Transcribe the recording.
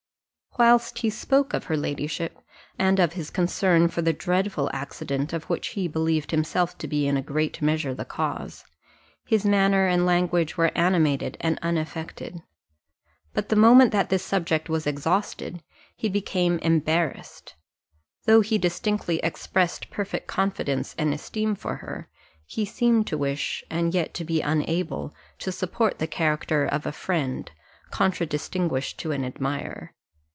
Whilst he spoke of her ladyship, and of his concern for the dreadful accident of which he believed himself to be in a great measure the cause, his manner and language were animated and unaffected; but the moment that this subject was exhausted, he became embarrassed; though he distinctly expressed perfect confidence and esteem for her, he seemed to wish, and yet to be unable, to support the character of a friend, contradistinguished to an admirer.